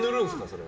それ。